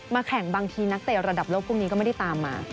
แข่งบางทีนักเตะระดับโลกพวกนี้ก็ไม่ได้ตามมา